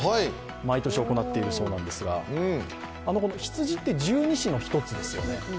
毎年行っているそうなんですが、羊って十二支の一つですよね。